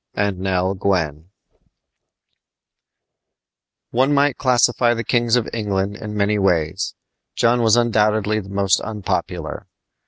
AND NELL GWYN One might classify the kings of England in many ways. John was undoubtedly the most unpopular.